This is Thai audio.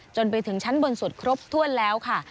จนไปถึงชั้นบนสุดครบถ้วนแล้วค่ะ